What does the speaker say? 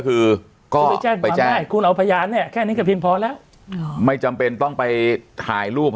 คือก็แก้นี้กะเพียนพอแล้วไม่จำเป็นต้องไปถ่ายรูป